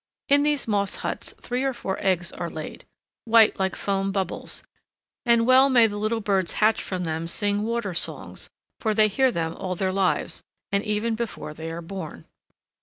In these moss huts three or four eggs are laid, white like foam bubbles; and well may the little birds hatched from them sing water songs, for they hear them all their lives, and even before they are born.